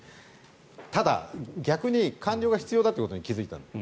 ただ、逆に官僚が必要だということに気付いたんです。